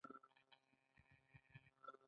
وچکالي تدبیر غواړي